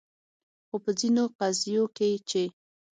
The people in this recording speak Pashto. خو په ځینو قضیو کې چې